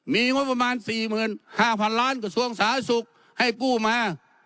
มีงบประมาณ๔๕๐๐๐ล้านกระทรวงสาธารณสุขให้กู้มา